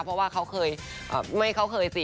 เพราะว่าเขาเคยไม่เขาเคยสิ